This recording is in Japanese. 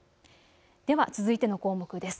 では続いての項目です。